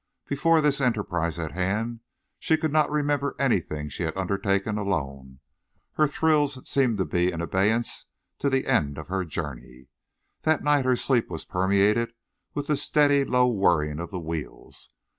Before this enterprise at hand she could not remember anything she had undertaken alone. Her thrills seemed to be in abeyance to the end of her journey. That night her sleep was permeated with the steady low whirring of the wheels.